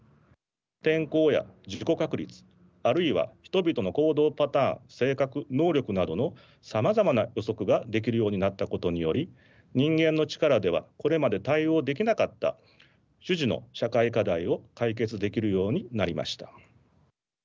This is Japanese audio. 天候や事故確率あるいは人々の行動パターン性格能力などのさまざまな予測ができるようになったことにより人間の力ではこれまで対応できなかった種々の社会課題を解決できるようになりました。